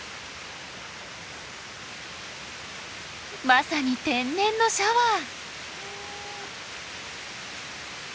まさに天然のシャワー！